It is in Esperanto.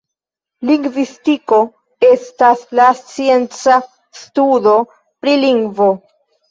Lingvistiko estas la scienca studo pri lingvo.